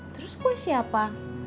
terus kue siapa